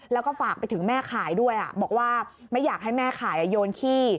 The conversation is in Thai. แล้วก็ฝากไปถึงแม่ขายด้วยบอกว่าไม่อยากให้แม่ขายโยนขี้